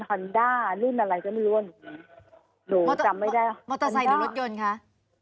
อนด้ารุ่นอะไรก็ไม่รู้รุ่นหนูจำไม่ได้มอเตอร์ไซค์หรือรถยนต์คะ